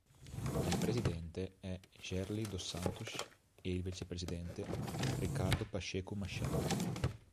Il presidente è Gerli dos Santos e il vicepresidente Ricardo Pacheco Machado.